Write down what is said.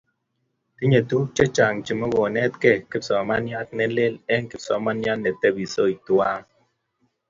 tinyei tuguk che chang' che mukunetgei kipsomananiat ne lel eng' kipsomaniat ne tebisot tuai.